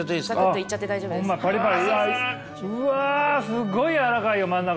すっごいやわらかいよ真ん中。